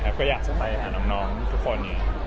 ก็อยากจะไปหาน้องทุกคน